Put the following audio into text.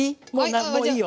もういいよ。